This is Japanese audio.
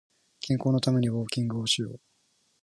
健康のためにウォーキングをしよう